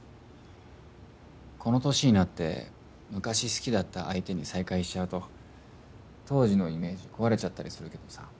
この年になって昔好きだった相手に再会しちゃうと当時のイメージ壊れちゃったりするけどさ。